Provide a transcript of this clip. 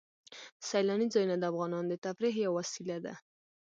سیلاني ځایونه د افغانانو د تفریح یوه وسیله ده.